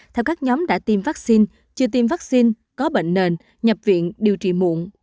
theo các nhóm đã tiêm vaccine chưa tiêm vaccine có bệnh nền nhập viện điều trị muộn